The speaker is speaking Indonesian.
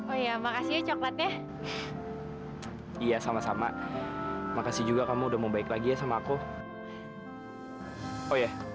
oh ya makasih coklatnya iya sama sama makasih juga kamu udah membaik lagi ya sama aku oh ya